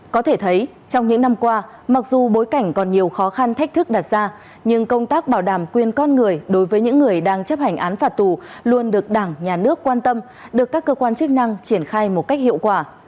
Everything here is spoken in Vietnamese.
có thể thấy trong những năm qua mặc dù bối cảnh còn nhiều khó khăn thách thức đặt ra nhưng công tác bảo đảm quyền con người đối với những người đang chấp hành án phạt tù luôn được đảng nhà nước quan tâm được các cơ quan chức năng triển khai một cách hiệu quả